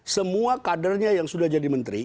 semua kadernya yang sudah jadi menteri